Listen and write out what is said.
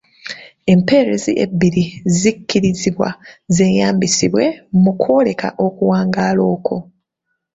Empeerezi ebbiri zikkirizibwa zeeyambisibwe mu kwoleka okuwangaala okwo.